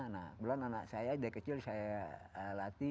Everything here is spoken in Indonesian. nah kebetulan anak saya dari kecil saya latih